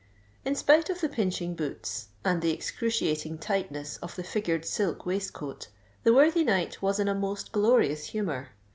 In spite of the pinching boots end the excruciating tightness of the figured silk waistcoat, the worthy knight was in a most glorious humour.